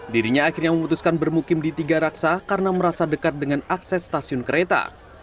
dirinya akhirnya memutuskan bermukim di tiga raksa karena merasa dekat dengan akses stasiun kereta